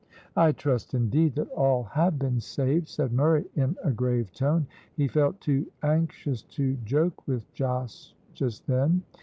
"I trust, indeed, that all have been saved," said Murray, in a grave tone. He felt too anxious to joke with Jos just then.